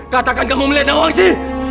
katakan kamu melihat nawangsi